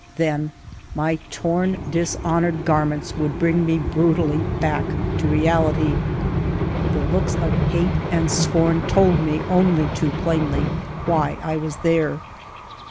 Then, my torn, dishonored garments would bring me brutally back to reality. The looks of hate and scorn told me, only too plainly, why I was there.